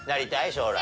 将来。